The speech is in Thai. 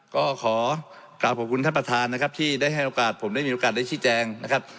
ก็ขอกราบขอบคุณท่านประธานนะครับที่ได้ให้โอกาสผมได้มีโอกาสได้ชี้แจงนะครับ